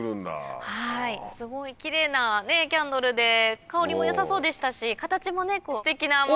はいすごいキレイなキャンドルで香りも良さそうでしたし形もねステキな。